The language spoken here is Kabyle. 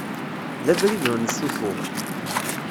D abrid ur nessufuɣ.